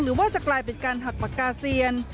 หรือว่าจะกลายเป็นการหักปากกาเซียน